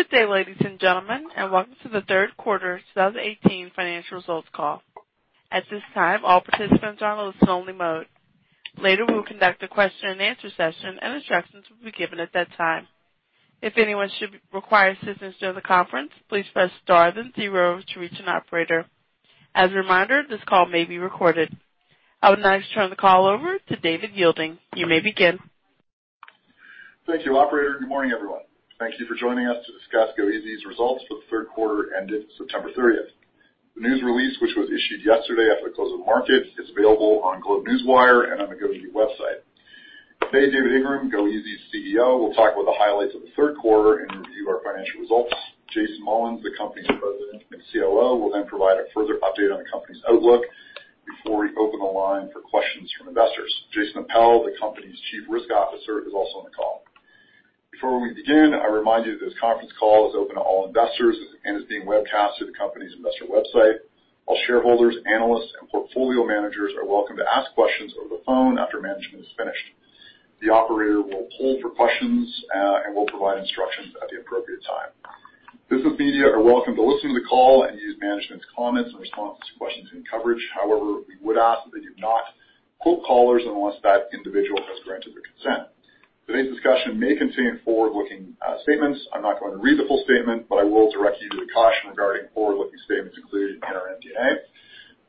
Good day, ladies and gentlemen, and welcome to the third quarter 2018 financial results call. At this time, all participants are on listen-only mode. Later, we will conduct a question-and-answer session, and instructions will be given at that time. If anyone should require assistance during the conference, please press star then zero to reach an operator. As a reminder, this call may be recorded. I would now like to turn the call over to David Yeilding. You may begin. Thank you, operator. Good morning, everyone. Thank you for joining us to discuss goeasy's results for the third quarter ended September 30th. The news release, which was issued yesterday after the close of the market, is available on GlobeNewswire and on the goeasy website. Today, David Ingram, goeasy's CEO, will talk about the highlights of the third quarter and review our financial results. Jason Mullins, the company's president and COO, will then provide a further update on the company's outlook before we open the line for questions from investors. Jason Appel, the company's Chief Risk Officer, is also on the call. Before we begin, I remind you that this conference call is open to all investors and is being webcasted to the company's investor website. All shareholders, analysts, and portfolio managers are welcome to ask questions over the phone after management is finished. The operator will poll for questions, and will provide instructions at the appropriate time. Business media are welcome to listen to the call and use management's comments in response to questions and coverage. However, we would ask that you not quote callers unless that individual has granted their consent. Today's discussion may contain forward-looking statements. I'm not going to read the full statement, but I will direct you to the caution regarding forward-looking statements included in our MD&A.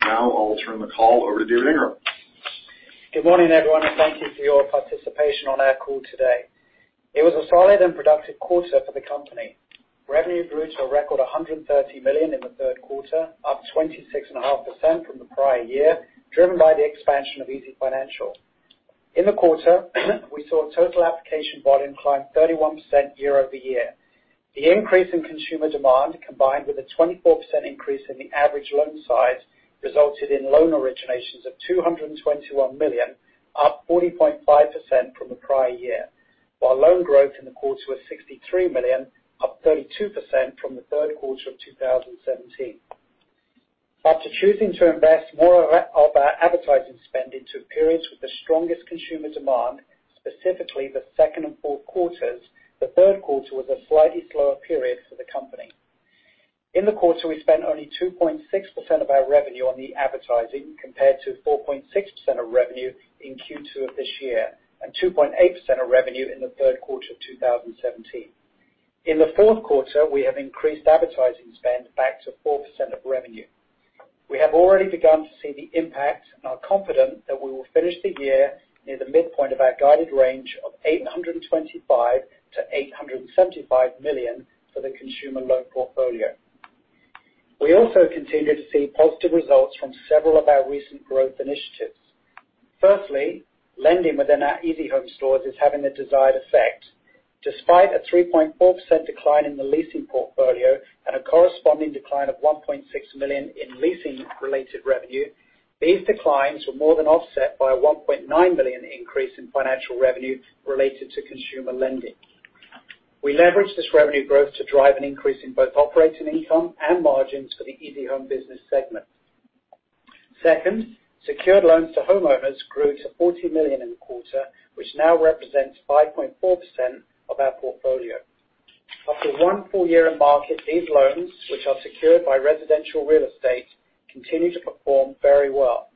Now I'll turn the call over to David Ingram. Good morning, everyone, and thank you for your participation on our call today. It was a solid and productive quarter for the company. Revenue grew to a record 130 million in the third quarter, up 26.5% from the prior year, driven by the expansion of easyfinancial. In the quarter, we saw total application volume climb 31% year-over-year. The increase in consumer demand, combined with a 24% increase in the average loan size, resulted in loan originations of 221 million, up 40.5% from the prior year, while loan growth in the quarter was 63 million, up 32% from the third quarter of 2017. After choosing to invest more of our advertising spend into periods with the strongest consumer demand, specifically the second and fourth quarters, the third quarter was a slightly slower period for the company. In the quarter, we spent only 2.6% of our revenue on the advertising, compared to 4.6% of revenue in Q2 of this year, and 2.8% of revenue in the third quarter of 2017. In the fourth quarter, we have increased advertising spend back to 4% of revenue. We have already begun to see the impact and are confident that we will finish the year near the midpoint of our guided range of 825 million-875 million for the consumer loan portfolio. We also continue to see positive results from several of our recent growth initiatives. Firstly, lending within our easyhome stores is having the desired effect. Despite a 3.4% decline in the leasing portfolio and a corresponding decline of 1.6 million in leasing-related revenue, these declines were more than offset by a 1.9 million increase in financial revenue related to consumer lending. We leveraged this revenue growth to drive an increase in both operating income and margins for the easyhome business segment. Second, secured loans to homeowners grew to 40 million in the quarter, which now represents 5.4% of our portfolio. After one full year in market, these loans, which are secured by residential real estate, continue to perform very well.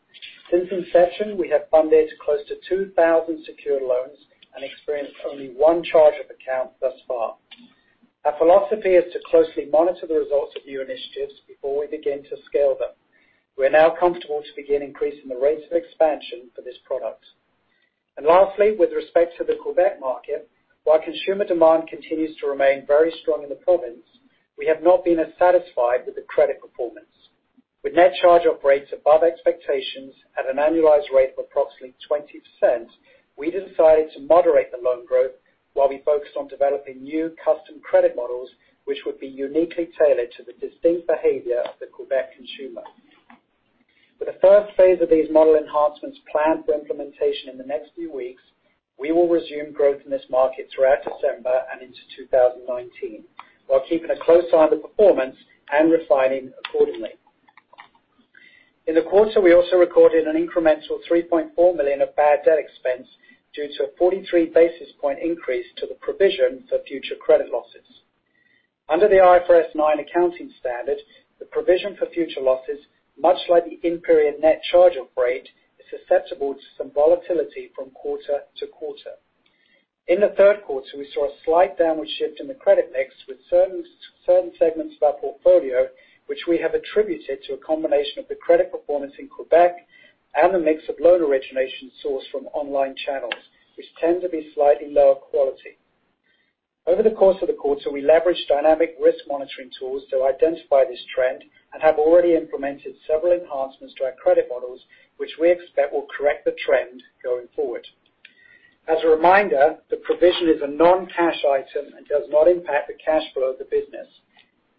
Since inception, we have funded close to 2,000 secured loans and experienced only one charge-off thus far. Our philosophy is to closely monitor the results of new initiatives before we begin to scale them. We're now comfortable to begin increasing the rates of expansion for this product. Lastly, with respect to the Quebec market, while consumer demand continues to remain very strong in the province, we have not been as satisfied with the credit performance. With net charge-off rates above expectations at an annualized rate of approximately 20%, we decided to moderate the loan growth while we focused on developing new custom credit models, which would be uniquely tailored to the distinct behavior of the Quebec consumer. With the first phase of these model enhancements planned for implementation in the next few weeks, we will resume growth in this market throughout December and into 2019, while keeping a close eye on the performance and refining accordingly. In the quarter, we also recorded an incremental 3.4 million of bad debt expense due to a 43 basis point increase to the provision for future credit losses. Under the IFRS 9 accounting standard, the provision for future losses, much like the in-period net charge-off rate, is susceptible to some volatility from quarter-to-quarter. In the third quarter, we saw a slight downward shift in the credit mix with certain segments of our portfolio, which we have attributed to a combination of the credit performance in Quebec and the mix of loan origination sourced from online channels, which tend to be slightly lower quality. Over the course of the quarter, we leveraged dynamic risk monitoring tools to identify this trend and have already implemented several enhancements to our credit models, which we expect will correct the trend going forward. As a reminder, the provision is a non-cash item and does not impact the cash flow of the business.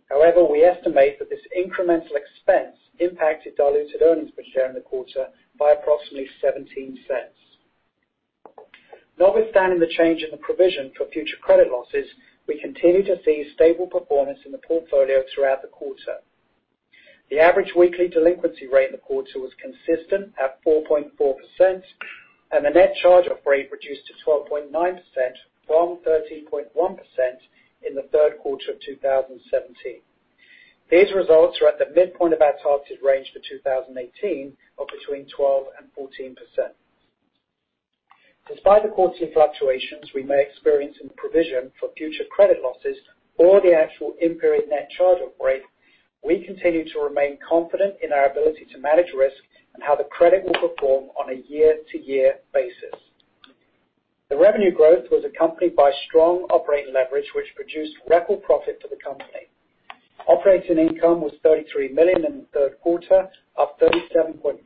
However, we estimate that this incremental expense impacted diluted earnings per share in the quarter by approximately 0.17. Notwithstanding the change in the provision for future credit losses, we continue to see stable performance in the portfolio throughout the quarter. The average weekly delinquency rate in the quarter was consistent at 4.4%, and the net charge-off rate reduced to 12.9% from 13.1% in the third quarter of 2017. These results are at the midpoint of our targeted range for 2018 of between 12% and 14%. Despite the quarterly fluctuations we may experience in provision for future credit losses or the actual in-period net charge-off rate, we continue to remain confident in our ability to manage risk and how the credit will perform on a year-to-year basis. The revenue growth was accompanied by strong operating leverage, which produced record profit for the company. Operating income was 33 million in the third quarter, up 37.5%,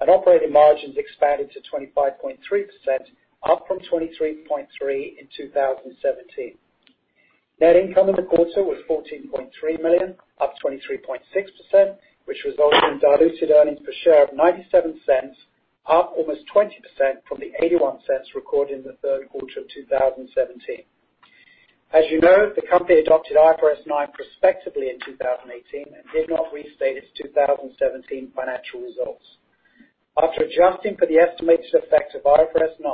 and operating margins expanded to 25.3%, up from 23.3% in 2017. Net income in the quarter was 14.3 million, up 23.6%, which resulted in diluted earnings per share of 0.97, up almost 20% from the 0.81 recorded in the third quarter of 2017. As you know, the company adopted IFRS 9 prospectively in 2018 and did not restate its 2017 financial results. After adjusting for the estimated effect of IFRS 9,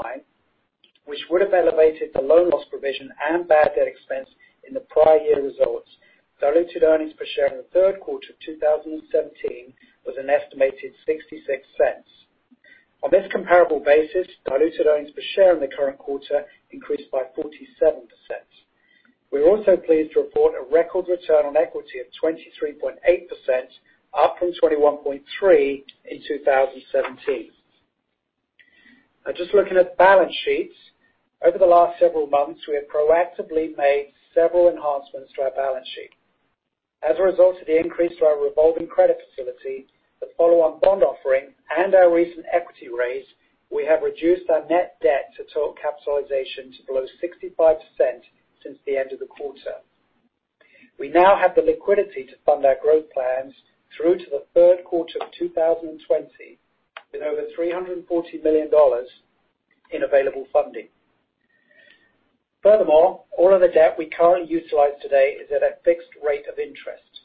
which would have elevated the loan loss provision and bad debt expense in the prior year results, diluted earnings per share in the third quarter of 2017 was an estimated 0.66. On this comparable basis, diluted earnings per share in the current quarter increased by 47%. We're also pleased to report a record return on equity of 23.8%, up from 21.3% in 2017. Now just looking at the balance sheet. Over the last several months, we have proactively made several enhancements to our balance sheet. As a result of the increase to our revolving credit facility, the follow-on bond offering, and our recent equity raise, we have reduced our net debt to total capitalization to below 65% since the end of the quarter. We now have the liquidity to fund our growth plans through to the third quarter of 2020, with over 340 million dollars in available funding. Furthermore, all of the debt we currently utilize today is at a fixed rate of interest.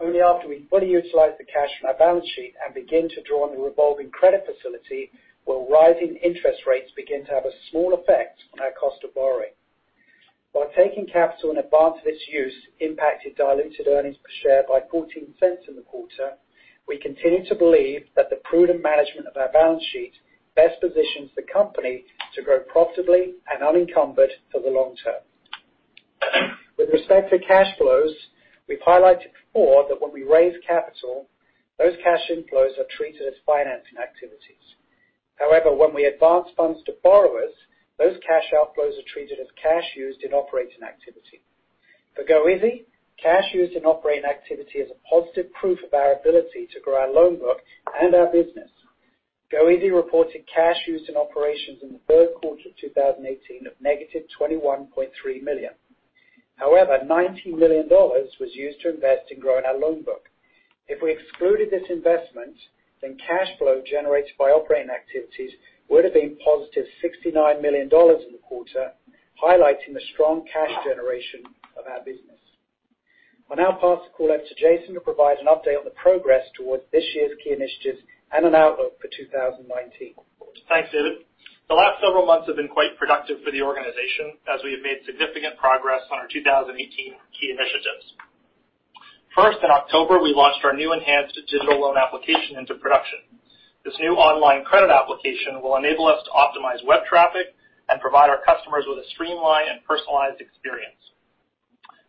Only after we fully utilize the cash on our balance sheet and begin to draw on the revolving credit facility will rising interest rates begin to have a small effect on our cost of borrowing. While taking capital in advance of its use impacted diluted earnings per share by 0.14 in the quarter, we continue to believe that the prudent management of our balance sheet best positions the company to grow profitably and unencumbered for the long term. With respect to cash flows, we've highlighted before that when we raise capital, those cash inflows are treated as financing activities. However, when we advance funds to borrowers, those cash outflows are treated as cash used in operating activity. For goeasy, cash used in operating activity is a positive proof of our ability to grow our loan book and our business. goeasy reported cash used in operations in the third quarter of 2018 of negative 21.3 million. However, 90 million dollars was used to invest in growing our loan book. If we excluded this investment, then cash flow generated by operating activities would have been positive 69 million dollars in the quarter, highlighting the strong cash generation of our business. I'll now pass the call back to Jason to provide an update on the progress towards this year's key initiatives and an outlook for 2019. Thanks, David. The last several months have been quite productive for the organization, as we have made significant progress on our 2018 key initiatives. First, in October, we launched our new enhanced digital loan application into production. This new online credit application will enable us to optimize web traffic and provide our customers with a streamlined and personalized experience.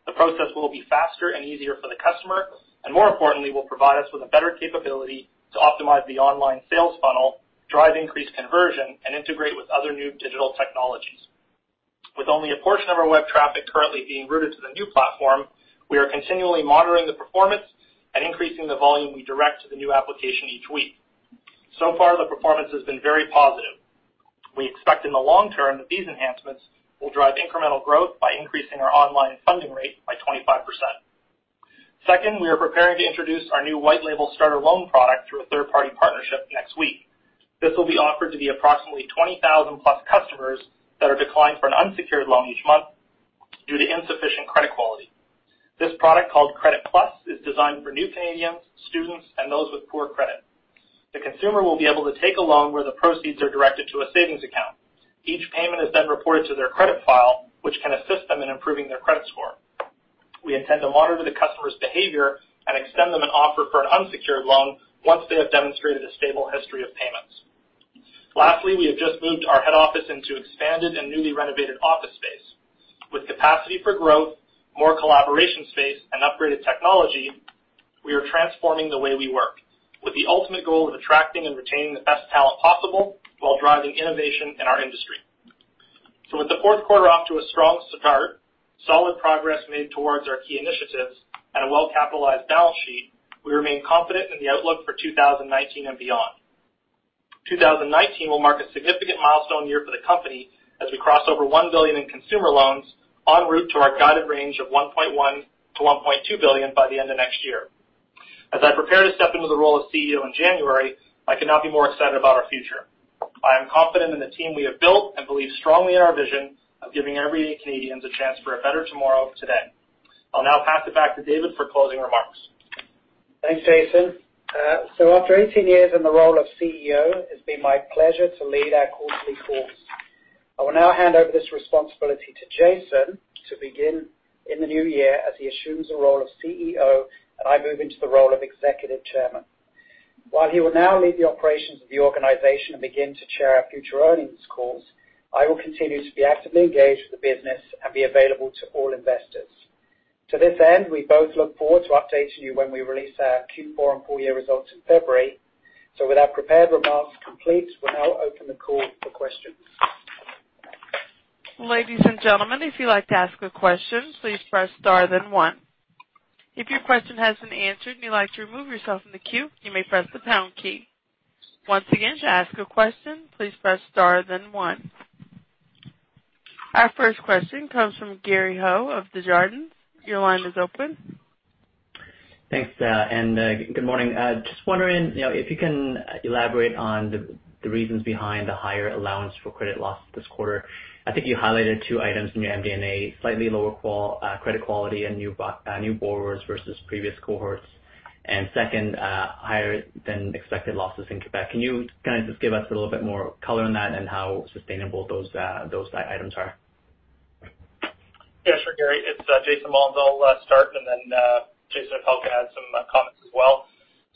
The process will be faster and easier for the customer, and more importantly, will provide us with a better capability to optimize the online sales funnel, drive increased conversion, and integrate with other new digital technologies. With only a portion of our web traffic currently being routed to the new platform, we are continually monitoring the performance and increasing the volume we direct to the new application each week. So far, the performance has been very positive. We expect in the long term that these enhancements will drive incremental growth by increasing our online funding rate by 25%. Second, we are preparing to introduce our new white-label starter loan product through a third-party partnership next week. This will be offered to the approximately 20,000+ customers that are declined for an unsecured loan each month due to insufficient credit quality. This product, called creditplus, is designed for new Canadians, students, and those with poor credit. The consumer will be able to take a loan where the proceeds are directed to a savings account. Each payment is then reported to their credit file, which can assist them in improving their credit score. We intend to monitor the customer's behavior and extend them an offer for an unsecured loan once they have demonstrated a stable history of payments. Lastly, we have just moved our head office into expanded and newly renovated office space. With capacity for growth, more collaboration space, and upgraded technology, we are transforming the way we work, with the ultimate goal of attracting and retaining the best talent possible while driving innovation in our industry. With the fourth quarter off to a strong start, solid progress made towards our key initiatives, and a well-capitalized balance sheet, we remain confident in the outlook for 2019 and beyond; 2019 will mark a significant milestone year for the company as we cross over one billion in consumer loans en route to our guided range of 1.1 billion-1.2 billion by the end of next year. As I prepare to step into the role of CEO in January, I cannot be more excited about our future. I am confident in the team we have built and believe strongly in our vision of giving everyday Canadians a chance for a better tomorrow, today. I'll now pass it back to David for closing remarks. Thanks, Jason. So after eighteen years in the role of CEO, it's been my pleasure to lead our quarterly calls. I will now hand over this responsibility to Jason to begin in the new year as he assumes the role of CEO, and I move into the role of Executive Chairman. While he will now lead the operations of the organization and begin to chair our future earnings calls, I will continue to be actively engaged with the business and be available to all investors. To this end, we both look forward to updating you when we release our Q4 and full-year results in February. So with our prepared remarks complete, we'll now open the call for questions. Ladies and gentlemen, if you'd like to ask a question, please press star then one. If your question has been answered and you'd like to remove yourself from the queue, you may press the pound key. Once again, to ask a question, please press star then one. Our first question comes from Gary Ho of Desjardins. Your line is open. Thanks, and good morning. Just wondering, you know, if you can elaborate on the reasons behind the higher allowance for credit loss this quarter. I think you highlighted two items in your MD&A, slightly lower credit quality and new borrowers versus previous cohorts, and second, higher-than-expected losses in Quebec. Can you kind of just give us a little bit more color on that and how sustainable those items are? Yeah, sure, Gary. It's Jason Mullins. I'll start, and then Jason Hnatyk will add some comments as well.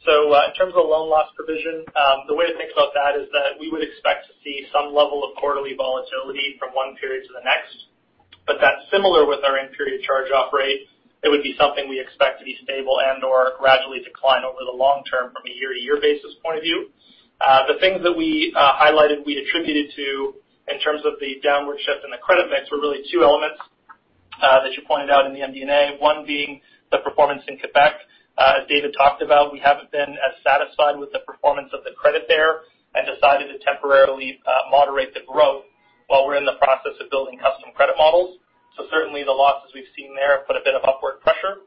So, in terms of loan loss provision, the way to think about that is that we would expect to see some level of quarterly volatility from one period to the next, but that's similar with our in-period charge-off rate. It would be something we expect to be stable and/or gradually decline over the long term from a year-to-year basis point of view. The things that we highlighted, we attributed to, in terms of the downward shift in the credit mix, were really two elements that you pointed out in the MD&A. One being the performance in Quebec. As David talked about, we haven't been as satisfied with the performance of the credit there and decided to temporarily moderate the growth while we're in the process of building custom credit models. So certainly, the losses we've seen there have put a bit of upward pressure.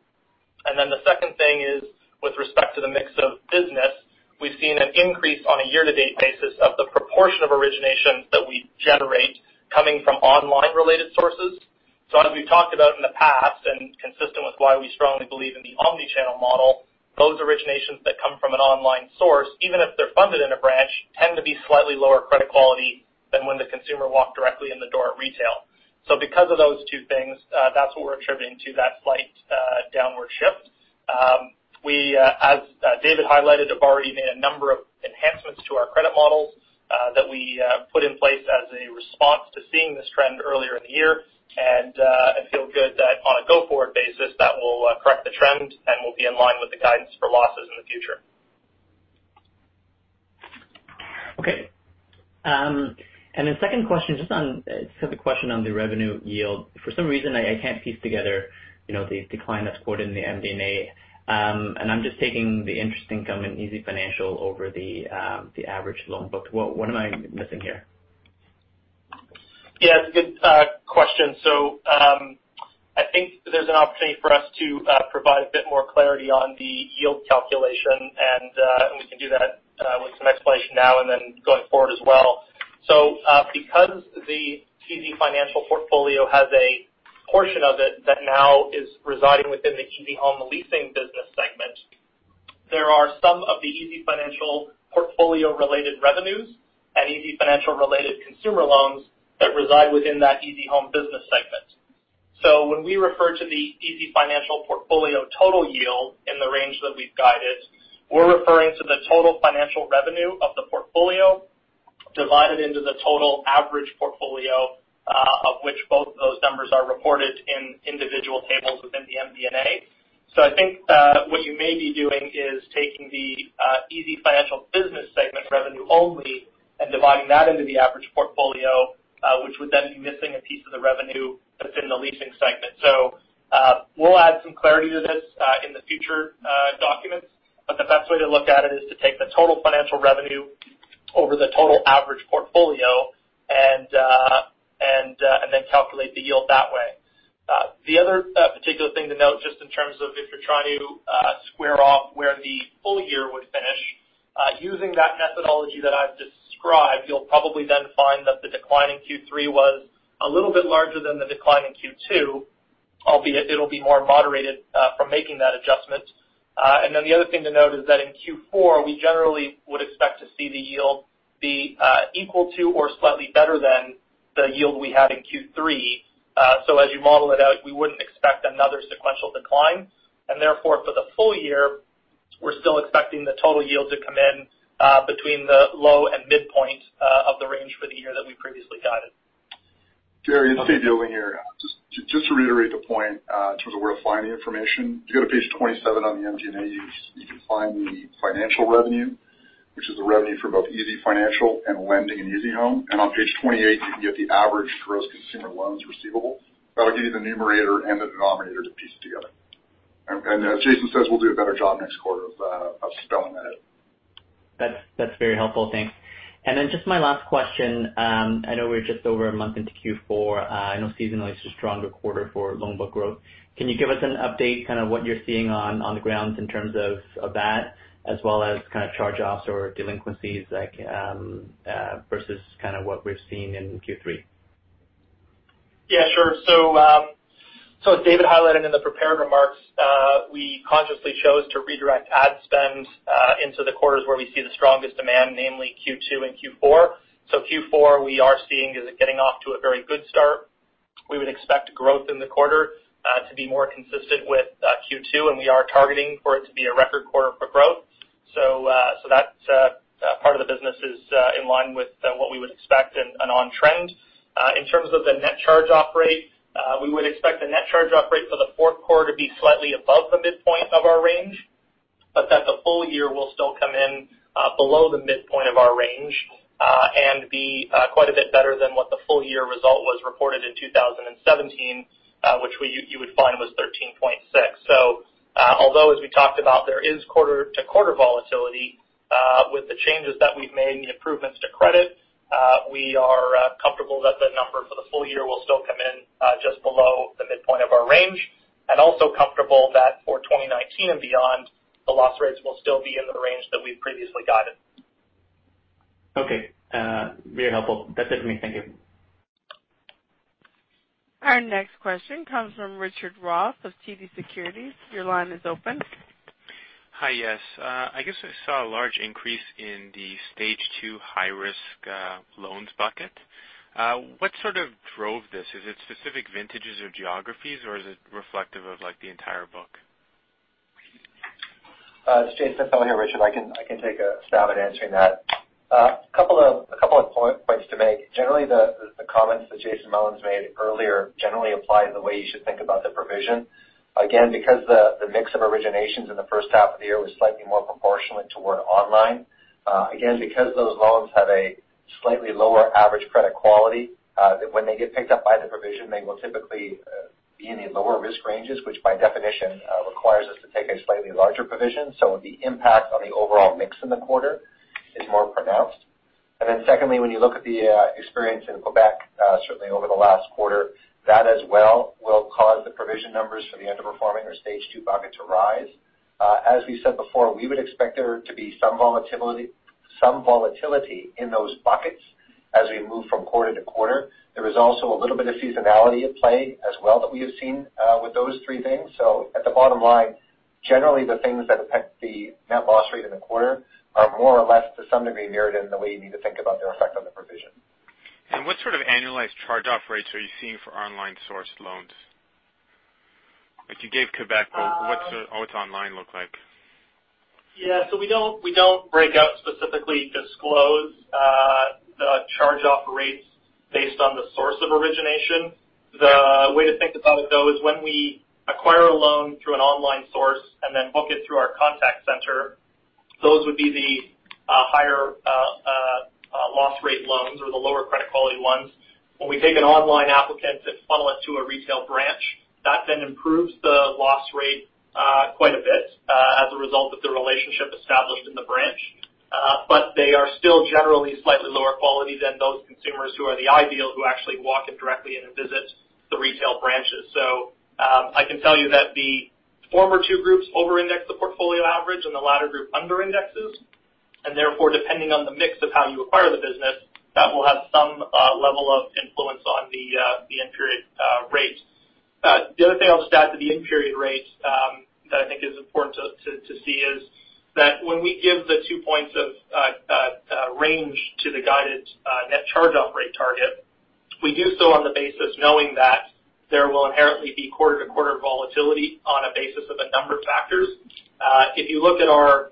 And then the second thing is, with respect to the mix of business, we've seen an increase on a year-to-date basis of the proportion of originations that we generate coming from online-related sources. So as we've talked about in the past, and consistent with why we strongly believe in the omni-channel model, those originations that come from an online source, even if they're funded in a branch, tend to be slightly lower credit quality than when the consumer walked directly in the door at retail. So because of those two things, that's what we're attributing to that slight downward shift. We, as David highlighted, have already made a number of enhancements to our credit models that we put in place as a response to seeing this trend earlier in the year, and feel good that on a go-forward basis, that will correct the trend and will be in line with the guidance for losses in the future. Okay. And the second question, just on—just a question on the revenue yield. For some reason, I can't piece together, you know, the decline that's quoted in the MD&A, and I'm just taking the interest income in easyfinancial over the average loan book. What am I missing here? Yeah, it's a good question, so I think there's an opportunity for us to provide a bit more clarity on the yield calculation, and we can do that with some explanation now and then going forward as well, so because the easyfinancial portfolio has a portion of it that now is residing within the easyhome leasing business segment, there are some of the easyfinancial portfolio-related revenues and easyfinancial-related consumer loans that reside within that easyhome business segment, so when we refer to the easyfinancial portfolio total yield in the range that we've guided, we're referring to the total financial revenue of the portfolio, divided into the total average portfolio, of which both those numbers are reported in individual tables within the MD&A. So I think what you may be doing is taking the easyfinancial business segment revenue only and dividing that into the average portfolio, which would then be missing a piece of the revenue that's in the leasing segment. So we'll add some clarity to this in the future documents, but the best way to look at it is to take the total financial revenue over the total average portfolio and then calculate the yield that way. The other particular thing to note, just in terms of if you're trying to square off where the full year would finish using that methodology that I've described, you'll probably then find that the decline in Q3 was a little bit larger than the decline in Q2, albeit it'll be more moderated from making that adjustment. And then the other thing to note is that in Q4, we generally would expect to see the yield be equal to or slightly better than the yield we had in Q3. So as you model it out, we wouldn't expect another sequential decline, and therefore, for the full year, we're still expecting the total yield to come in between the low and midpoint of the range for the year that we previously guided. Gary, it's David Yeilding here. Just to reiterate the point in terms of where to find the information. If you go to page 27 on the MD&A, you can find the finance revenue, which is the revenue for both easyfinancial and leasing in easyhome. And on page 28, you can get the average gross consumer loans receivable. That'll give you the numerator and the denominator to piece it together. And as Jason says, we'll do a better job next quarter of— That's, that's very helpful. Thanks, and then just my last question. I know we're just over a month into Q4. I know seasonally it's a stronger quarter for loan book growth. Can you give us an update, kind of what you're seeing on the grounds in terms of that, as well as kind of charge-offs or delinquencies, like, versus kind of what we've seen in Q3? Yeah, sure. So, so as David highlighted in the prepared remarks, we consciously chose to redirect ad spend into the quarters where we see the strongest demand, namely Q2 and Q4. So Q4, we are seeing is getting off to a very good start. We would expect growth in the quarter to be more consistent with Q2, and we are targeting for it to be a record quarter for growth. So, so that's part of the business is in line with what we would expect and on trend. In terms of the net charge-off rate, we would expect the net charge-off rate for the fourth quarter to be slightly above the midpoint of our range, but that the full year will still come in below the midpoint of our range and be quite a bit better than what the full-year result was reported in 2017, which you would find was 13.6. So, although, as we talked about, there is quarter-to-quarter volatility with the changes that we've made and the improvements to credit, we are comfortable that the number for the full year will still come in just below the midpoint of our range, and also comfortable that for 2019 and beyond, the loss rates will still be in the range that we've previously guided. Okay, very helpful. That's it for me. Thank you. Our next question comes from Richard Roth of TD Securities. Your line is open. Hi. Yes. I guess I saw a large increase in the Stage 2 high risk loans bucket. What sort of drove this? Is it specific vintages or geographies, or is it reflective of, like, the entire book? It's Jason Hnatyk here, Richard. I can take a stab at answering that. A couple of points to make. Generally, the comments that Jason Mullins made earlier generally apply to the way you should think about the provision. Again, because the mix of originations in the first half of the year was slightly more proportionate toward online, again, because those loans have a slightly lower average credit quality, that when they get picked up by the provision, they will typically be in the lower risk ranges, which by definition requires us to take a slightly larger provision, so the impact on the overall mix in the quarter is more pronounced. And then secondly, when you look at the experience in Quebec, certainly over the last quarter, that as well will cause the provision numbers for the underperforming or Stage 2 bucket to rise. As we said before, we would expect there to be some volatility in those buckets as we move from quarter-to-quarter. There is also a little bit of seasonality at play as well that we have seen with those three things. So at the bottom line, generally, the things that affect the net loss rate in the quarter are more or less to some degree, mirrored in the way you need to think about their effect on the provision. What sort of annualized charge-off rates are you seeing for online sourced loans? Like you gave Quebec, but what's online look like? Yeah, so we don't break out, specifically disclose, the charge-off rates based on the source of origination. The way to think about it, though, is when we acquire a loan through an online source and then book it through our contact center, those would be the higher loss rate loans or the lower credit quality ones. When we take an online applicant and funnel it to a retail branch, that then improves the loss rate quite a bit as a result of the relationship established in the branch, but they are still generally slightly lower quality than those consumers who are the ideal, who actually walk in directly and visit the retail branches. So, I can tell you that the former two groups over-index the portfolio average, and the latter group under-indexes, and therefore, depending on the mix of how you acquire the business, that will have some level of influence on the in-period rate. The other thing I'll just add to the in-period rate that I think is important to see is that when we give the two points of range to the guided net charge-off rate target, we do so on the basis knowing that there will inherently be quarter-to-quarter volatility on a basis of a number of factors. If you look at our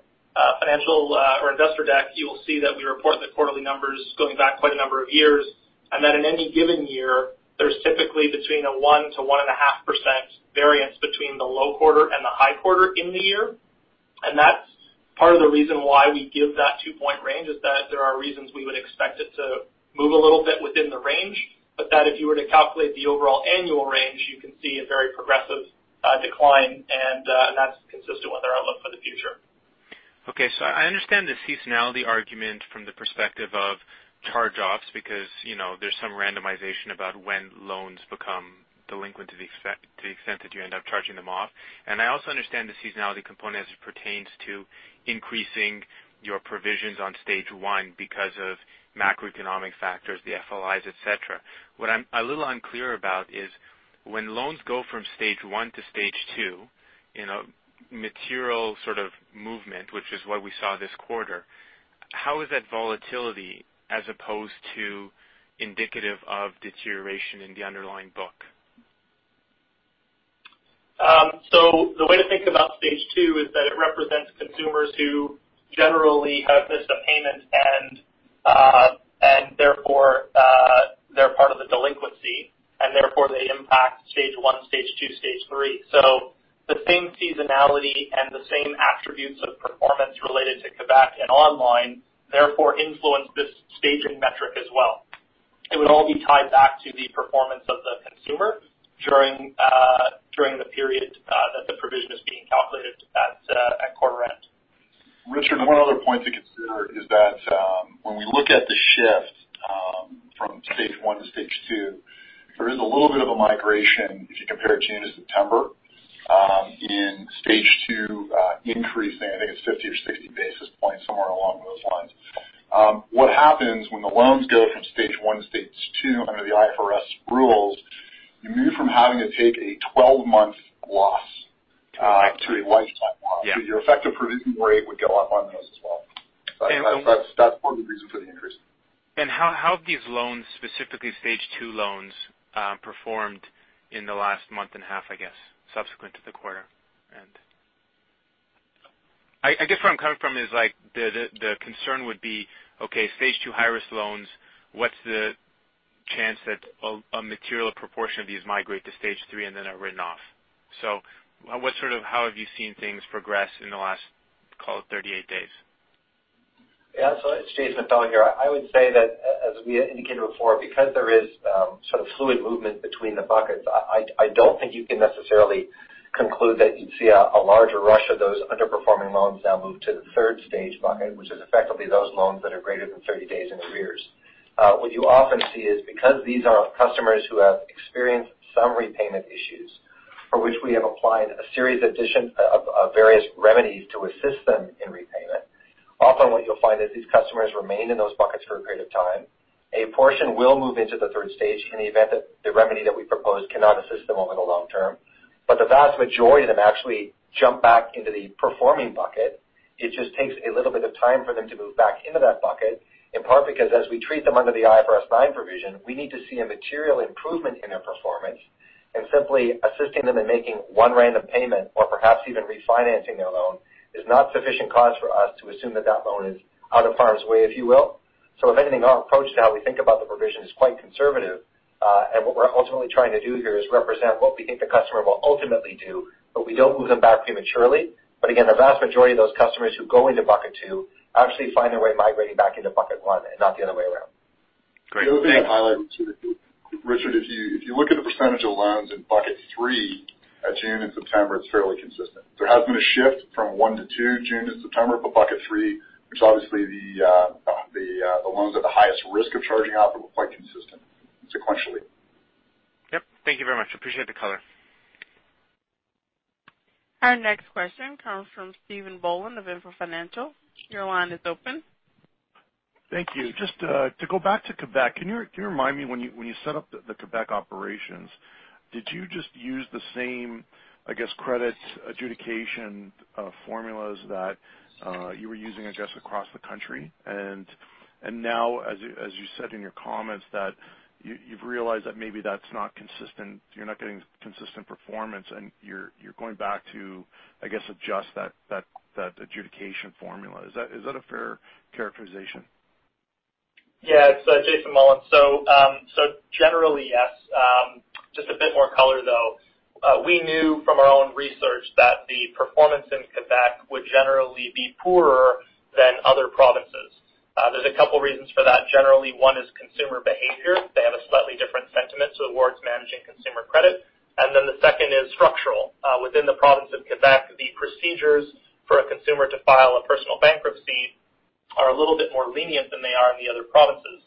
financial or investor deck, you will see that we report the quarterly numbers going back quite a number of years, and that in any given year, there's typically between a 1% to 1.5% variance between the low quarter and the high quarter in the year, and that's part of the reason why we give that two-point range, is that there are reasons we would expect it to move a little bit within the range, but that if you were to calculate the overall annual range, you can see a very progressive decline, and that's consistent with our outlook for the future. Okay, so I understand the seasonality argument from the perspective of charge-offs, because, you know, there's some randomization about when loans become delinquent to the extent, to the extent that you end up charging them off. And I also understand the seasonality component as it pertains to increasing your provisions on Stage 1 because of macroeconomic factors, the FLIs, et cetera. What I'm a little unclear about is when loans go from Stage 1 to Stage 2, you know, material sort of movement, which is what we saw this quarter, how is that volatility as opposed to indicative of deterioration in the underlying book? So the way to think about Stage 2 is that it represents consumers who generally have missed a payment, and therefore they're part of the delinquency, and therefore they impact Stage 1, Stage 2, Stage 3. So the same seasonality and the same attributes of performance related to Quebec and online therefore influence this staging metric as well—it would all be tied back to the performance of the consumer during the period that the provision is being calculated at quarter-end. Richard, and one other point to consider is that, when we look at the shift, from Stage 1 to Stage 2, there is a little bit of a migration if you compare June to September, in Stage 2, increase, I think it's 50 or 60 basis points, somewhere along those lines. What happens when the loans go from Stage 1 to Stage 2 under the IFRS rules, you move from having to take a 12-month loss, to a lifetime loss. Yeah. Your effective provision rate would go up on those as well. That's one of the reasons for the increase. How have these loans, specifically Stage 2 loans, performed in the last month and a half, I guess, subsequent to the quarter-end? I guess where I'm coming from is like the concern would be, okay, Stage 2 high-risk loans, what's the chance that a material proportion of these migrate to Stage 3 and then are written off? How have you seen things progress in the last, call it, 38 days? Yeah. So it's Jason Mullins here. I would say that as we indicated before, because there is sort of fluid movement between the buckets, I don't think you can necessarily conclude that you'd see a larger rush of those underperforming loans now move to the Stage 3 bucket, which is effectively those loans that are greater than 30 days in arrears. What you often see is because these are customers who have experienced some repayment issues, for which we have applied a series of various remedies to assist them in repayment, often what you'll find is these customers remain in those buckets for a period of time. A portion will move into the Stage 3 in the event that the remedy that we propose cannot assist them over the long term. But the vast majority of them actually jump back into the performing bucket. It just takes a little bit of time for them to move back into that bucket, in part because as we treat them under the IFRS 9 provision, we need to see a material improvement in their performance. And simply assisting them in making one random payment or perhaps even refinancing their loan is not sufficient cause for us to assume that that loan is out of harm's way, if you will. So if anything, our approach to how we think about the provision is quite conservative, and what we're ultimately trying to do here is represent what we think the customer will ultimately do, but we don't move them back prematurely. But again, the vast majority of those customers who go into bucket two actually find their way migrating back into bucket one and not the other way around. Great, thank you. The other thing I'd highlight, too, Richard, if you look at the percentage of loans in bucket three at June and September, it's fairly consistent. There has been a shift from one to two, June to September, but bucket three, which is obviously the loans at the highest risk of charging off, were quite consistent sequentially. Yep, thank you very much. Appreciate the color. Our next question comes from Stephen Boland of INFOR Financial. Your line is open. Thank you. Just to go back to Quebec, can you remind me when you set up the Quebec operations, did you just use the same, I guess, credit adjudication formulas that you were using, I guess, across the country? And now, as you said in your comments, that you've realized that maybe that's not consistent, you're not getting consistent performance, and you're going back to, I guess, adjust that adjudication formula. Is that a fair characterization? Yeah. It's Jason Mullins. So generally, yes. Just a bit more color, though. We knew from our own research that the performance in Quebec would generally be poorer than other provinces. There's a couple reasons for that. Generally, one is consumer behavior. They have a slightly different sentiment towards managing consumer credit. And then the second is structural. Within the province of Quebec, the procedures for a consumer to file a personal bankruptcy are a little bit more lenient than they are in the other provinces.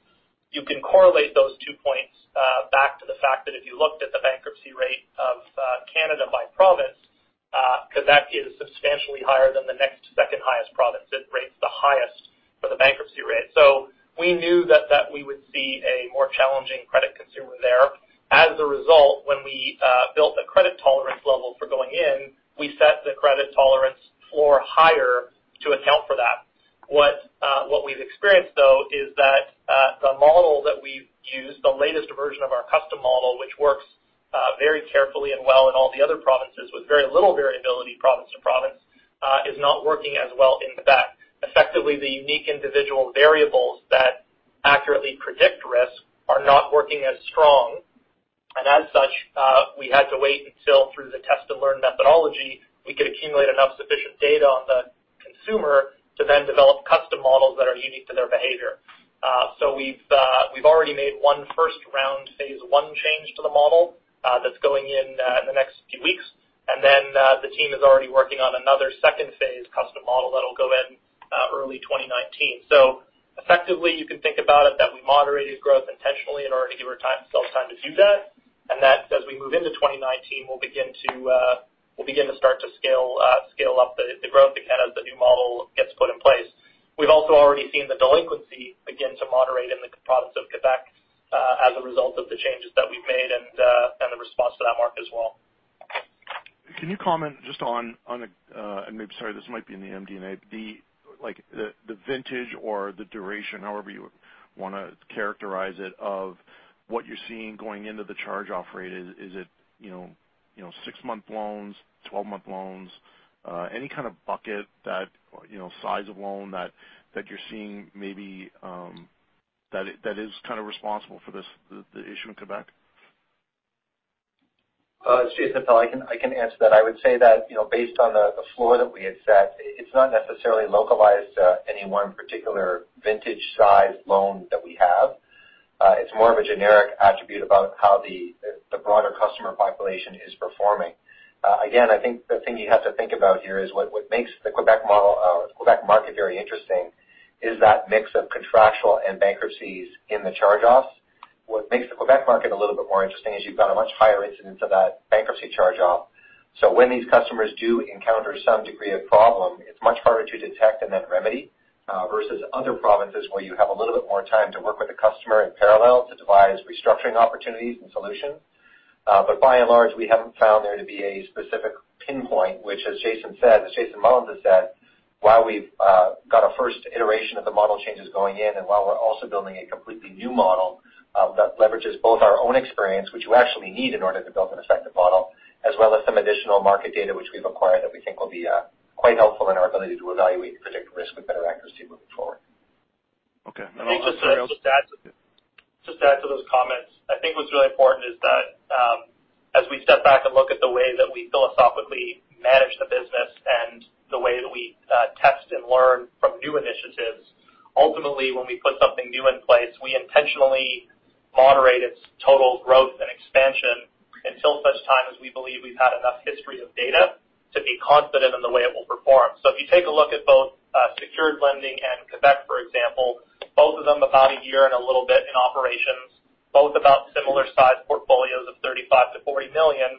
You can correlate those two points back to the fact that if you looked at the bankruptcy rate of Canada by province, Quebec is substantially higher than the next second highest province. It rates the highest for the bankruptcy rate. So we knew that we would see a more challenging credit consumer there. As a result, when we built the credit tolerance level for going in, we set the credit tolerance for higher to account for that. What, what we've experienced, though, is that the model that we've used, the latest version of our custom model, which works very carefully and well in all the other provinces with very little variability, province to province, is not working as well in Quebec. Effectively, the unique individual variables that accurately predict risk are not working as strong. And as such, we had to wait until through the test and learn methodology, we could accumulate enough sufficient data on the consumer to then develop custom models that are unique to their behavior. So we've already made one first-round phase I change to the model, that's going in, in the next few weeks. The team is already working on another second phase custom model that'll go in early 2019. Effectively, you can think about it that we moderated growth intentionally in order to give ourselves time to do that, and that as we move into 2019, we'll begin to start to scale up the growth again as the new model gets put in place. We've also already seen the delinquency begin to moderate in the province of Quebec as a result of the changes that we've made and the response to that market as well. Can you comment just on, on a, and maybe, sorry, this might be in the MD&A, the, like, the, the vintage or the duration, however you wanna characterize it, of what you're seeing going into the charge-off rate? Is, is it, you know, you know, six-month loans, 12-month loans? Any kind of bucket that, you know, size of loan that, that you're seeing maybe, that is kind of responsible for this, the, the issue in Quebec? Jason, I can answer that. I would say that, you know, based on the floor that we had set, it's not necessarily localized to any one particular vintage size loan that we have. It's more of a generic attribute about how the broader customer population is performing. Again, I think the thing you have to think about here is what makes the Quebec model, Quebec market very interesting is that mix of contractual and bankruptcies in the charge-offs. What makes the Quebec market a little bit more interesting is you've got a much higher incidence of that bankruptcy charge-off. So when these customers do encounter some degree of problem, it's much harder to detect and then remedy versus other provinces where you have a little bit more time to work with the customer in parallel to devise restructuring opportunities and solutions. But by and large, we haven't found there to be a specific pinpoint, which as Jason said, as Jason Mullins has said, while we've got a first iteration of the model changes going in, and while we're also building a completely new model that leverages both our own experience, which you actually need in order to build an effective model, as well as some additional market data which we've acquired that we think will be quite helpful in our ability to evaluate and predict risk with better accuracy moving forward. Okay, and— Just to add to those comments, I think what's really important is that, as we step back and look at the way that we philosophically manage the business and the way that we test and learn from new initiatives, ultimately, when we put something new in place, we intentionally moderate its total growth and expansion until such time as we believe we've had enough history of data to be confident in the way it will perform. So if you take a look at both secured lending and Quebec, for example, both of them about a year and a little bit in operations, both about similar size portfolios of 35 million-40 million.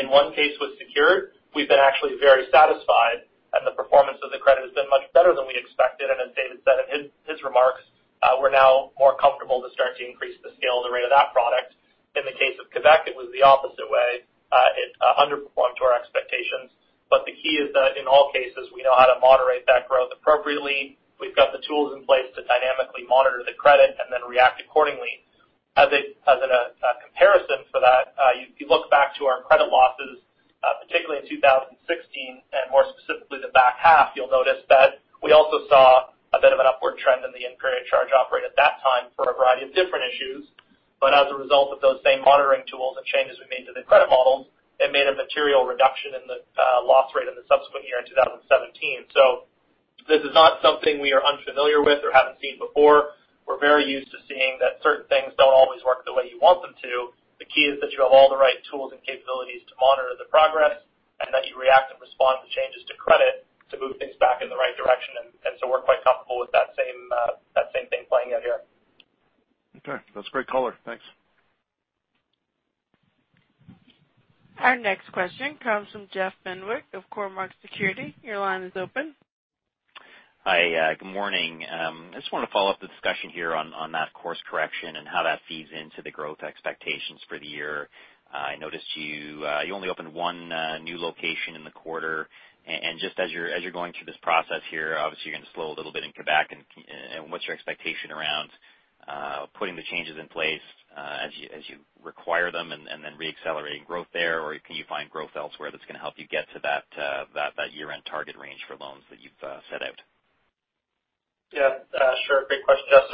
In one case with secured, we've been actually very satisfied, and the performance of the credit has been much better than we expected. And as David said in his remarks, we're now more comfortable to start to increase the scale and the rate of that product. In the case of Quebec, it was the opposite way. It underperformed to our expectations, but the key is that in all cases, we know how to moderate that growth appropriately. We've got the tools in place to dynamically monitor the credit and then react accordingly. As in a comparison for that, you look back to our credit losses, particularly in 2016 and more specifically the back half, you'll notice that we also saw a bit of an upward trend in the incurred charge-off rate at that time for a variety of different issues. But as a result of those same monitoring tools and changes we made to the credit models, it made a material reduction in the loss rate in the subsequent year, in 2017. So this is not something we are unfamiliar with or haven't seen before. We're very used to seeing that certain things don't always work the way you want them to. The key is that you have all the right tools and capabilities to monitor the progress, and that you react and respond to changes to credit to move things back in the right direction. And, and so we're quite comfortable with that same, that same thing playing out here. Okay, that's great color. Thanks. Our next question comes from Jeff Fenwick of Cormark Securities. Your line is open. Hi, good morning. I just want to follow up the discussion here on that course correction and how that feeds into the growth expectations for the year. I noticed you only opened one new location in the quarter. And just as you're going through this process here, obviously, you're going to slow a little bit in Quebec, and what's your expectation around putting the changes in place as you require them, and then reaccelerating growth there? Or can you find growth elsewhere that's gonna help you get to that year-end target range for loans that you've set out? Yeah, sure. Great question, Jeff.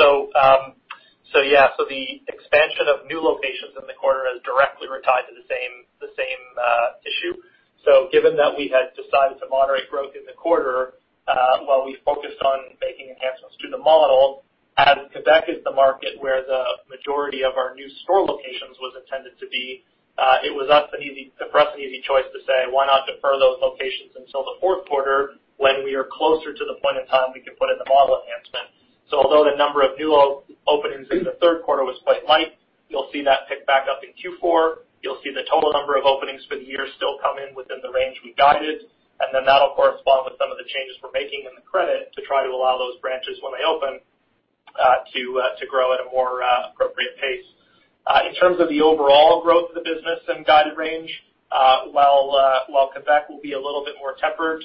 So, yeah, so the expansion of new locations in the quarter is directly tied to the same, the same issue. So given that we had decided to moderate growth in the quarter, while we focused on making enhancements to the model, as Quebec is the market where the majority of our new store locations was intended to be, it was for us an easy choice to say, "Why not defer those locations until the fourth quarter when we are closer to the point in time we can put in the model enhancement?" So although the number of new openings in the third quarter was quite light, you'll see that pick back up in Q4. You'll see the total number of openings for the year still come in within the range we guided, and then that'll correspond with some of the changes we're making in the credit to try to allow those branches, when they open, to grow at a more appropriate pace. In terms of the overall growth of the business and guided range, while Quebec will be a little bit more tempered,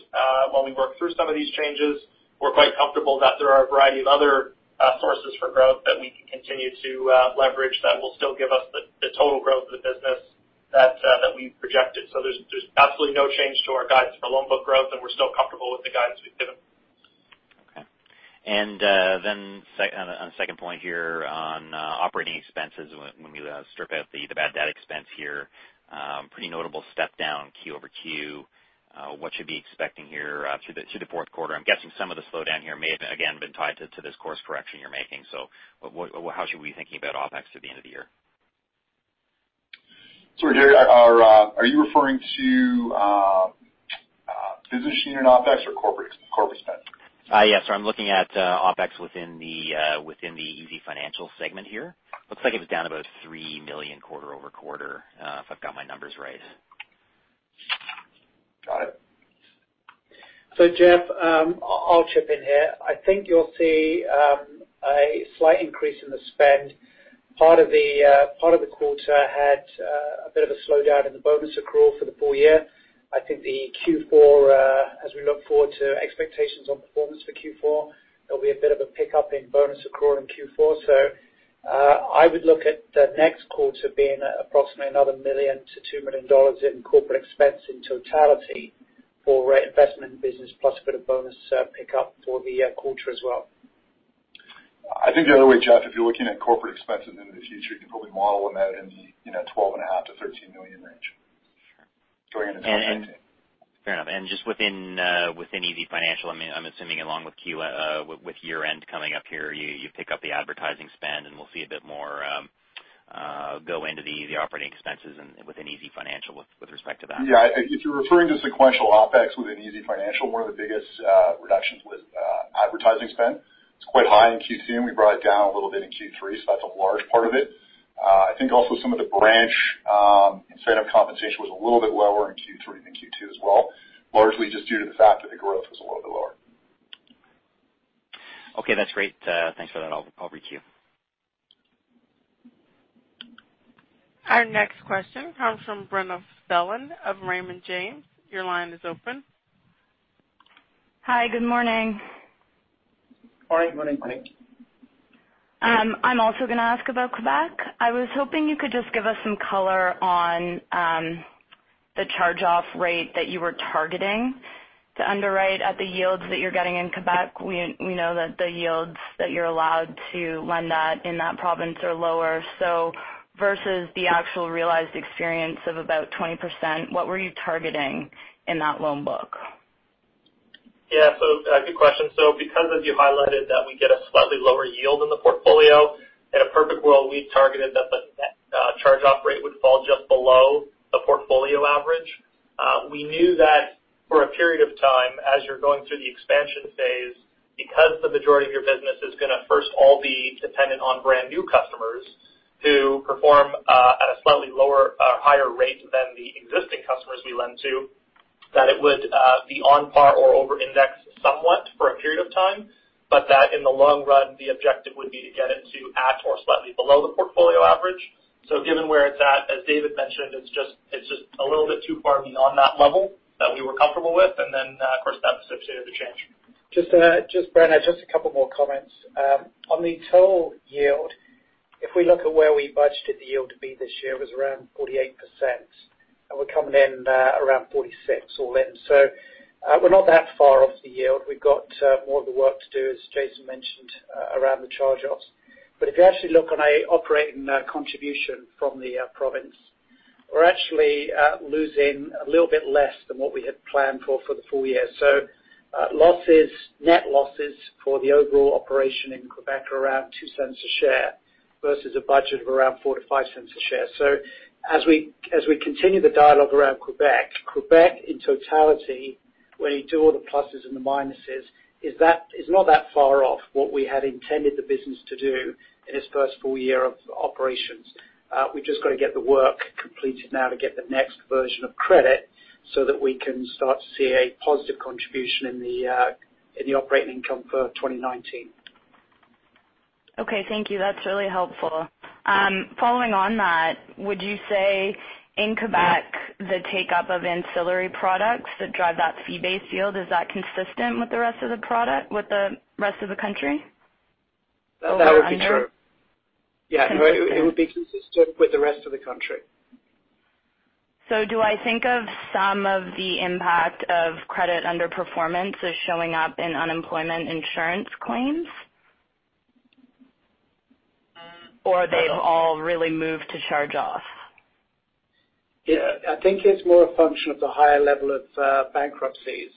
while we work through some of these changes, we're quite comfortable that there are a variety of other sources for growth that we can continue to leverage that will still give us the total growth of the business that we've projected. So there's absolutely no change to our guidance for loan book growth, and we're still comfortable with the guidance we've given. Okay. Then on a second point here on operating expenses, when we strip out the bad debt expense here, pretty notable step down QoQ. What should we be expecting here through the fourth quarter? I'm guessing some of the slowdown here may have, again, been tied to this course correction you're making. So what, how should we be thinking about OpEx through the end of the year? Sorry, Jeff, are you referring to division OpEx or corporate spend? Yes, I'm looking at OpEx within the easyfinancial segment here. Looks like it was down about 3 million quarter-over-quarter, if I've got my numbers right. Got it. So, Jeff, I'll chip in here. I think you'll see a slight increase in the spend. Part of the quarter had a bit of a slowdown in the bonus accrual for the full year. I think the Q4 as we look forward to expectations on performance for Q4, there'll be a bit of a pickup in bonus accrual in Q4. So, I would look at the next quarter being approximately another 1 million-2 million dollars in corporate expense in totality for investment in business, plus a bit of bonus pickup for the quarter as well. I think the other way, Jeff, if you're looking at corporate expenses into the future, you can probably model them out in the, you know, 12.5 million-13 million range. Sure. Going into 2019. Fair enough. And just within easyfinancial, I mean, I'm assuming along with year-end coming up here, you pick up the advertising spend, and we'll see a bit more go into the easyfinancial operating expenses and with easyfinancial with respect to that? Yeah. If you're referring to sequential OpEx within easyfinancial, one of the biggest reductions was advertising spend. It's quite high in Q2, and we brought it down a little bit in Q3, so that's a large part of it. I think also some of the branch incentive compensation was a little bit lower in Q3 than Q2 as well, largely just due to the fact that the growth was a little bit lower. Okay, that's great. Thanks for that. I'll reach you. Our next question comes from Brenna Phelan of Raymond James. Your line is open. Hi. Good morning. Morning, morning, morning. I'm also gonna ask about Quebec. I was hoping you could just give us some color on the charge-off rate that you were targeting to underwrite at the yields that you're getting in Quebec. We know that the yields that you're allowed to lend at in that province are lower. So versus the actual realized experience of about 20%, what were you targeting in that loan book? Yeah, so, good question, so because as you highlighted, that we get a slightly lower yield in the portfolio, in a perfect world, we targeted that the charge-off rate would fall just below the portfolio average. We knew that for a period of time, as you're going through the expansion phase, because the majority of your business is gonna first all be dependent on brand new customers who perform at a slightly lower higher rate than the existing customers we lend to, that it would be on par or over indexed somewhat for a period of time, but that in the long run, the objective would be to get it to at or slightly below the portfolio average. So given where it's at, as David mentioned, it's just a little bit too far beyond that level that we were comfortable with, and then, of course, that necessitated a change. Just Brenna, just a couple more comments. On the total yield, if we look at where we budgeted the yield to be this year, it was around 48%, and we're coming in around 46%, all in. So, we're not that far off the yield. We've got more of the work to do, as Jason mentioned, around the charge-offs. But if you actually look on a operating contribution from the province, we're actually losing a little bit less than what we had planned for the full year. Losses, net losses for the overall operation in Quebec are around 0.02 a share versus a budget of around 0.04-0.05 a share. As we continue the dialogue around Quebec, in totality, when you do all the pluses and the minuses, is not that far off what we had intended the business to do in its first full year of operations. We've just got to get the work completed now to get the next version of credit so that we can start to see a positive contribution in the operating income for 2019. Okay. Thank you. That's really helpful. Following on that, would you say in Quebec, the take-up of ancillary products that drive that fee-based yield, is that consistent with the rest of the product, with the rest of the country? Over or under? That would be true. Consistent. Yeah, it would be consistent with the rest of the country. Do I think of some of the impact of credit underperformance as showing up in unemployment insurance claims? Or have they all really moved to charge-off? Yeah, I think it's more a function of the higher level of bankruptcies.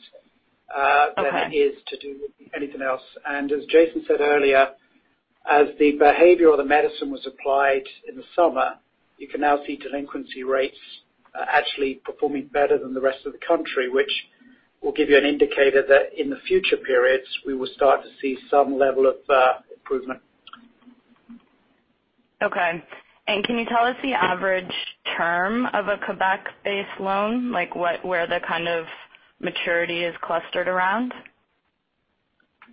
Okay Than it is to do with anything else. And as Jason said earlier, as the behavior or the medicine was applied in the summer, you can now see delinquency rates actually performing better than the rest of the country, which will give you an indicator that in the future periods, we will start to see some level of improvement. Okay, and can you tell us the average term of a Quebec-based loan, like what, where the kind of maturity is clustered around?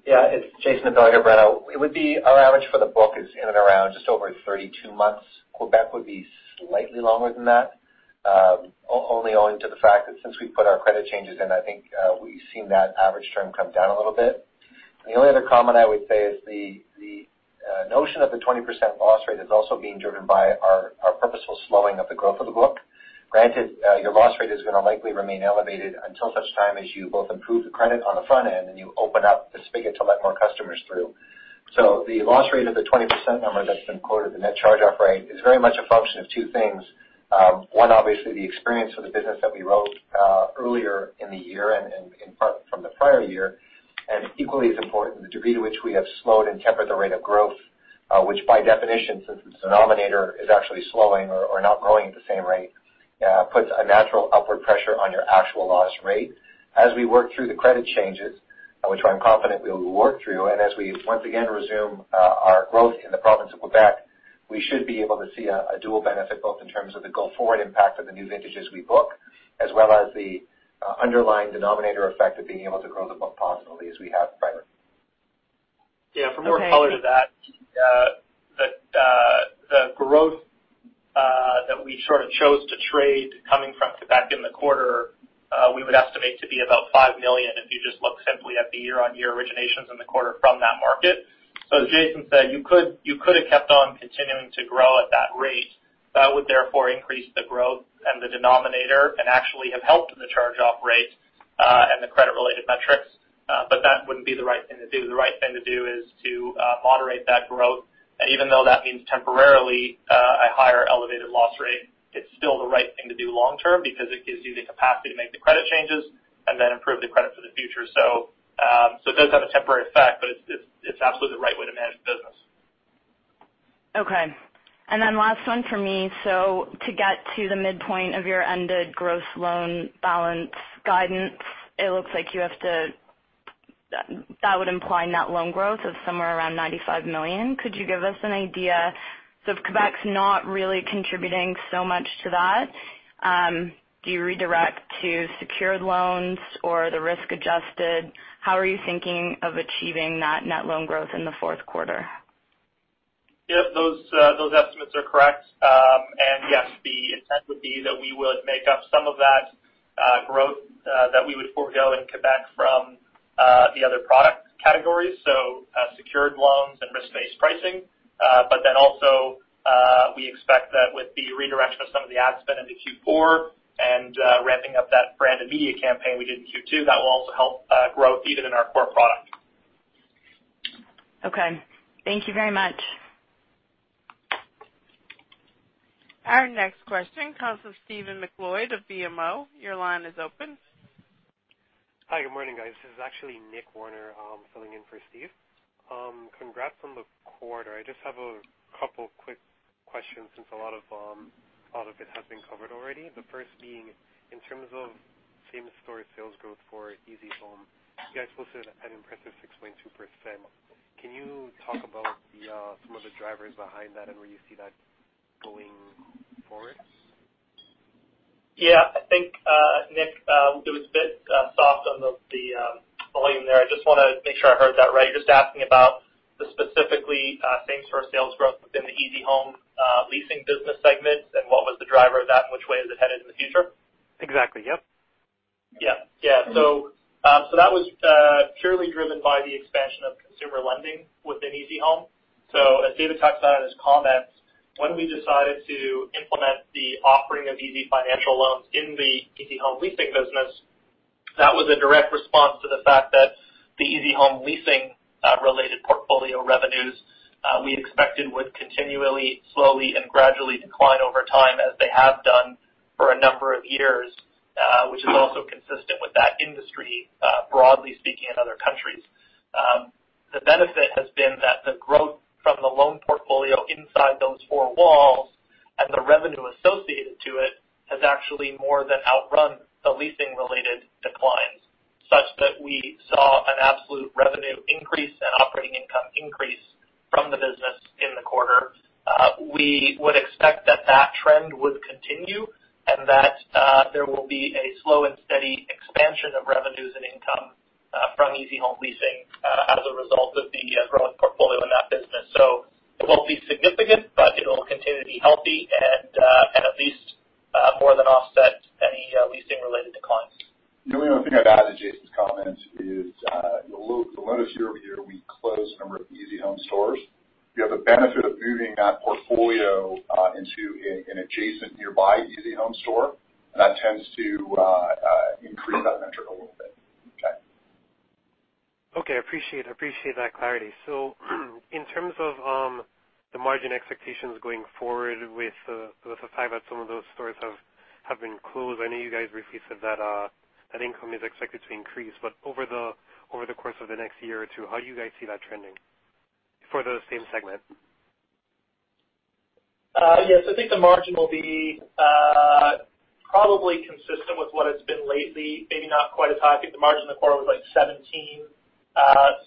Yeah, it's Jason here, Brenna. It would be, our average for the book is in and around just over 32 months. Quebec would be slightly longer than that, only owing to the fact that since we've put our credit changes in, I think, we've seen that average term come down a little bit. The only other comment I would say is the notion of the 20% loss rate is also being driven by our purposeful slowing of the growth of the book. Granted, your loss rate is gonna likely remain elevated until such time as you both improve the credit on the front end and you open up the spigot to let more customers through. So the loss rate of the 20% number that's been quoted, the net charge-off rate, is very much a function of two things. One, obviously, the experience of the business that we wrote earlier in the year and from the prior year, and equally as important, the degree to which we have slowed and tempered the rate of growth, which by definition, since the denominator is actually slowing or not growing at the same rate, puts a natural upward pressure on your actual loss rate. As we work through the credit changes, which I'm confident we will work through, and as we once again resume our growth in the province of Quebec, we should be able to see a dual benefit, both in terms of the go-forward impact of the new vintages we book, as well as the underlying denominator effect of being able to grow the book positively as we have prior. Yeah, for more color to that, the growth that we sort of chose to throttle coming from Quebec in the quarter, we would estimate to be about 5 million, if you just look simply at the year-on-year originations in the quarter from that market. So as Jason said, you could have kept on continuing to grow at that rate. That would therefore increase the growth and the denominator and actually have helped in the charge-off rate, and the credit-related metrics. But that wouldn't be the right thing to do. The right thing to do is to moderate that growth, and even though that means temporarily a higher elevated loss rate, it's still the right thing to do long term because it gives you the capacity to make the credit changes and then improve the credit for the future. So, so it does have a temporary effect, but it's absolutely the right way to manage the business. Okay. And then last one for me. So to get to the midpoint of your ended gross loan balance guidance, it looks like you have to, that would imply net loan growth of somewhere around 95 million. Could you give us an idea, so if Quebec's not really contributing so much to that, do you redirect to secured loans or the risk adjusted? How are you thinking of achieving that net loan growth in the fourth quarter? Yep, those estimates are correct. And yes, the intent would be that we would make up some of that growth that we would forego in Quebec from the other product categories, so secured loans and risk-based pricing. But then also, we expect that with the redirection of some of the ad spend into Q4 and ramping up that brand and media campaign we did in Q2, that will also help growth even in our core product. Okay. Thank you very much. Our next question comes from Stephen MacLeod of BMO. Your line is open. Hi, good morning, guys. This is actually Nick Warner, filling in for Steve. Congrats on the quarter. I just have a couple quick questions since a lot of, a lot of it has been covered already. The first being, in terms of same store sales growth for easyhome, you guys posted an impressive 6.2%. Can you talk about the, some of the drivers behind that and where you see that going forward? Yeah. I think, Nick, it was a bit soft on the volume there. I just wanna make sure I heard that right. You're just asking about the specifically same store sales growth within the easyhome leasing business segment, and what was the driver of that, and which way is it headed in the future? Exactly. Yep. Yeah. Yeah. So, so that was, purely driven by the expansion of consumer lending within easyhome. So as David touched on in his comments, when we decided to implement the offering of easyfinancial loans in the easyhome leasing business, that was a direct response to the fact that the easyhome leasing related portfolio revenues, we expected would continually, slowly and gradually decline over time, as they have done for a number of years, which is also consistent with that industry, broadly speaking, in other countries. The benefit has been that the growth from the loan portfolio inside those four walls and the revenue associated to it, has actually more than outrun the leasing-related declines, such that we saw an absolute revenue increase and operating income increase from the business in the quarter. We would expect that that trend would continue and that there will be a slow and steady expansion of revenues and income from easyhome leasing as a result of the growing portfolio in that business. So it won't be significant, but it will continue to be healthy and at least more than offset any leasing-related declines. The only other thing I'd add to Jason's comments is, you'll, the lenders year-over-year, we closed a number of easyhome stores. You have the benefit of moving that portfolio into an adjacent nearby easyhome store, and that tends to increase that metric a little bit. Okay. Okay, I appreciate, I appreciate that clarity. So in terms of the margin expectations going forward with the fact that some of those stores have been closed, I know you guys recently said that that income is expected to increase, but over the course of the next year or two, how do you guys see that trending for the same segment? Yes, I think the margin will be probably consistent with what it's been lately, maybe not quite as high. I think the margin in the quarter was like 17.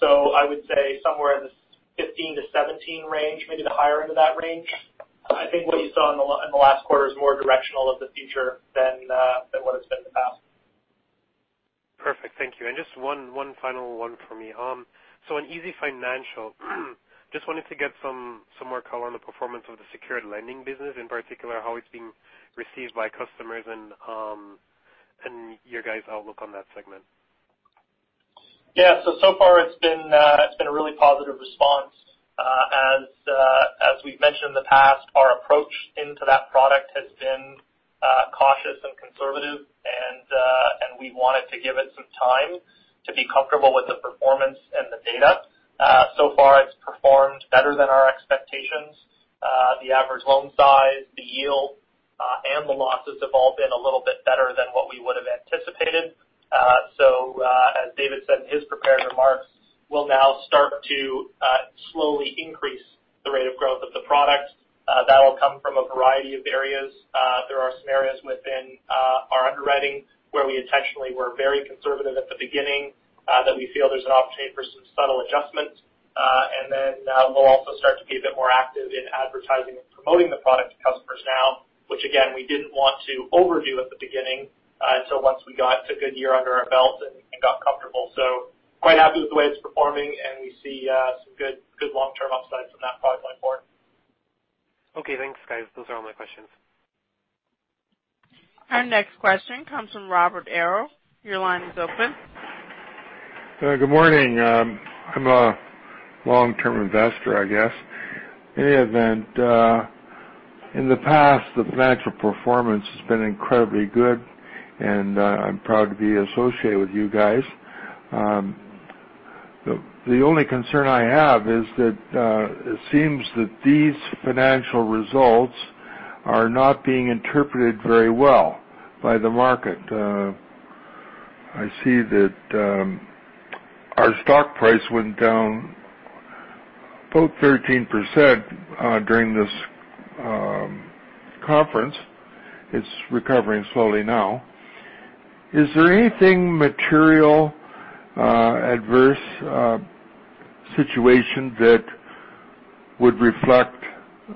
So, I would say somewhere in the 15-17 range, maybe the higher end of that range. I think what you saw in the last quarter is more directional of the future than what it's been in the past. Perfect. Thank you. And just one final one for me. So in easyfinancial, just wanted to get some more color on the performance of the secured lending business, in particular, how it's being received by customers and your guys' outlook on that segment. Yeah. So far it's been a really positive response. As we've mentioned in the past, our approach into that product has been cautious and conservative, and we wanted to give it some time to be comfortable with the performance and the data, so far it's performed better than our expectations. The average loan size, the yield, and the losses have all been a little bit better than what we would have anticipated, so as David said in his prepared remarks, we'll now start to slowly increase the rate of growth of the product. That will come from a variety of areas. There are some areas within our underwriting where we intentionally were very conservative at the beginning that we feel there's an opportunity for some subtle adjustments. And then we'll also start to be a bit more active in advertising and promoting the product to customers now, which again, we didn't want to overdo at the beginning until once we got a good year under our belt and got comfortable. So quite happy with the way it's performing, and we see some good long-term upsides from that product line forward. Okay, thanks, guys. Those are all my questions. Our next question comes from Robert Arrow. Your line is open. Good morning. I'm a long-term investor, I guess. In any event, in the past, the financial performance has been incredibly good, and, I'm proud to be associated with you guys. The only concern I have is that, it seems that these financial results are not being interpreted very well by the market. I see that, our stock price went down about 13%, during this, conference. It's recovering slowly now. Is there anything material, adverse, situation that would reflect,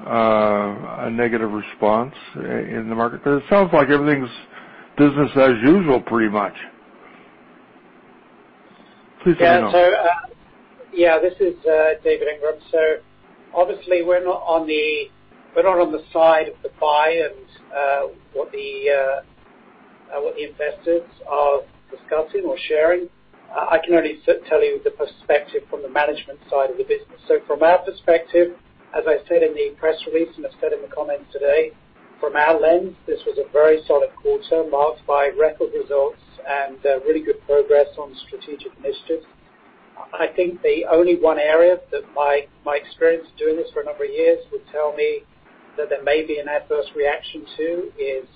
a negative response in the market? Because it sounds like everything's business as usual, pretty much. Please let me know. Yeah, so, yeah, this is David Ingram. So obviously, we're not on the, we're not on the side of the buy and, what the, what the investors are discussing or sharing. I can only tell you the perspective from the management side of the business. So from our perspective, as I said in the press release, and I've said in the comments today, from our lens, this was a very solid quarter, marked by record results and, really good progress on strategic initiatives. I think the only one area that my experience doing this for a number of years would tell me that there may be an adverse reaction to is,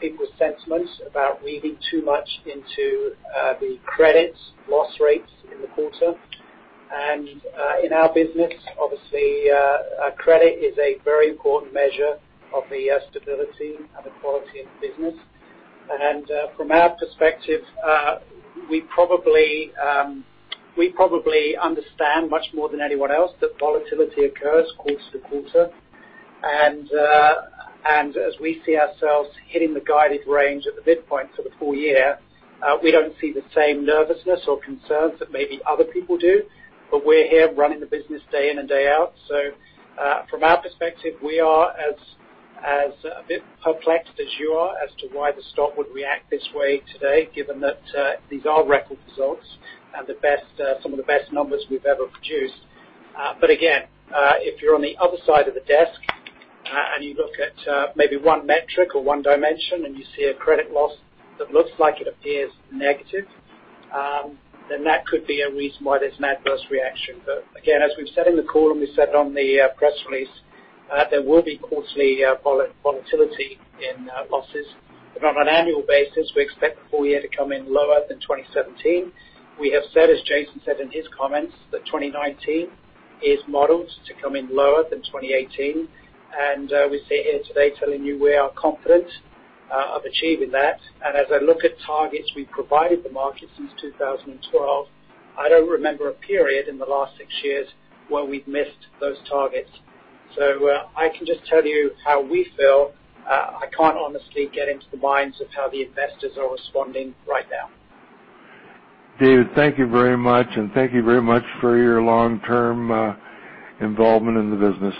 people's sentiments about reading too much into, the credit loss rates in the quarter. In our business, obviously, credit is a very important measure of the stability and the quality of the business. From our perspective, we probably understand much more than anyone else that volatility occurs quarter-to-quarter. As we see ourselves hitting the guided range at the midpoint for the full year, we don't see the same nervousness or concerns that maybe other people do, but we're here running the business day in and day out. From our perspective, we are a bit perplexed as you are as to why the stock would react this way today, given that these are record results and some of the best numbers we've ever produced. But again, if you're on the other side of the desk and you look at maybe one metric or one dimension, and you see a credit loss that looks like it appears negative, then that could be a reason why there's an adverse reaction. But again, as we've said in the call, and we said it on the press release, there will be quarterly volatility in losses. But on an annual basis, we expect the full year to come in lower than 2017. We have said, as Jason said in his comments, that 2019 is modeled to come in lower than 2018, and we sit here today telling you we are confident of achieving that. And as I look at targets we've provided the market since 2012, I don't remember a period in the last six years where we've missed those targets. So, I can just tell you how we feel. I can't honestly get into the minds of how the investors are responding right now. David, thank you very much, and thank you very much for your long-term involvement in the business.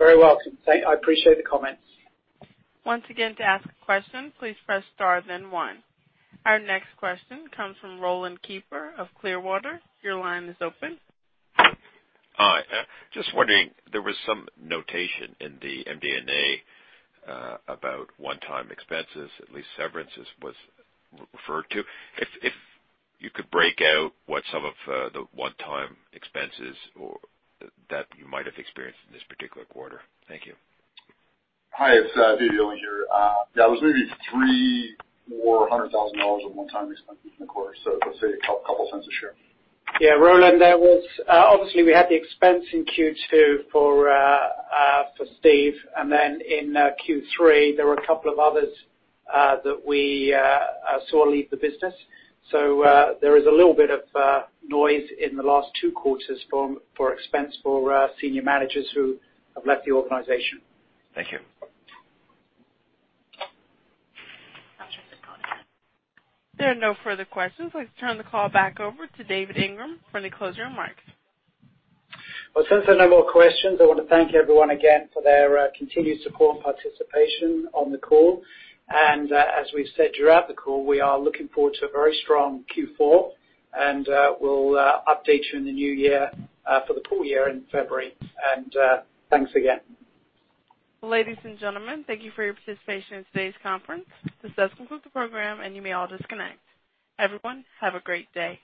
You're very welcome. I appreciate the comments. Once again, to ask a question, please press star then one. Our next question comes from Roland Keiper of Clearwater. Your line is open. Hi, just wondering, there was some notation in the MD&A, about one-time expenses. At least severances was referred to. If you could break out what some of, the one-time expenses or, that you might have experienced in this particular quarter? Thank you. Hi, it's David Yeilding here. Yeah, it was maybe 300,000 dollars of one-time expenses in the quarter, so let's say a couple cents a share. Yeah, Roland, there was—obviously, we had the expense in Q2 for Steve, and then in Q3, there were a couple of others that we saw leave the business. So, there is a little bit of noise in the last two quarters for expense for senior managers who have left the organization. Thank you. Operator, next line. There are no further questions. Let's turn the call back over to David Ingram for any closing remarks. Well, since there are no more questions, I want to thank everyone again for their continued support and participation on the call. And, as we've said throughout the call, we are looking forward to a very strong Q4, and we'll update you in the new year for the full year in February. And, thanks again. Ladies and gentlemen, thank you for your participation in today's conference. This does conclude the program, and you may all disconnect. Everyone, have a great day.